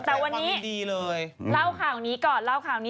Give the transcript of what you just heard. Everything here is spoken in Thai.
แต่วันนี้เล่าข่าวนี้ก่อน